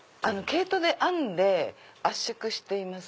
毛糸で編んで圧縮しています。